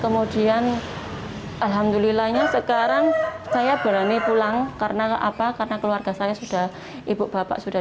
kemudian alhamdulillahnya sekarang saya berani pulang karena apa karena keluarga saya sudah ibu bapak sudah